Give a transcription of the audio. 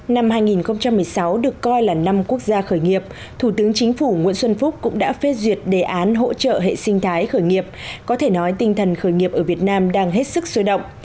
năm hai nghìn một mươi sáu được coi là năm quốc gia khởi nghiệp thủ tướng chính phủ nguyễn xuân phúc cũng đã phê duyệt đề án hỗ trợ hệ sinh thái khởi nghiệp có thể nói tinh thần khởi nghiệp ở việt nam đang hết sức sôi động